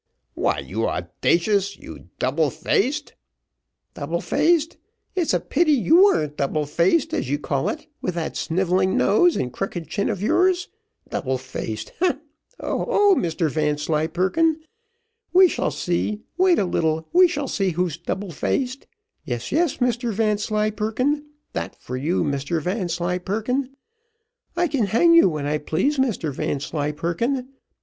"Why, you audacious you double faced " "Double faced! it's a pity you wer'n't double faced, as you call it, with that snivelling nose and crooked chin of yours. Double faced, heh! oh! oh! Mr Vanslyperken we shall see wait a little we shall see who's double faced. Yes, yes, Mr Vanslyperken that for you, Mr Vanslyperken I can hang you when I please, Mr Vanslyperken.